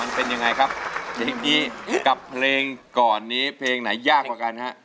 มันเป็นยังไงครับเพลงนี้กับเพลงก่อนนี้เพลงไหนยากกว่ากันฮะ